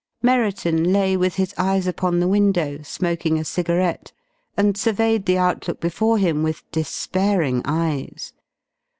Merriton lay with his eyes upon the window, smoking a cigarette, and surveyed the outlook before him with despairing eyes.